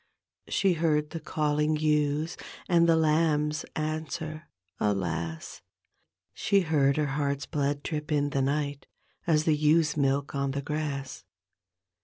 She heard the calling ewes And the lambs answer alas I She heard her heart's blood drip in die ni^t. As the ewes' milk on the grass.